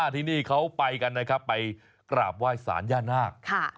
ที่นี่เขาไปกันนะครับไปกราบไหว้สารย่านาค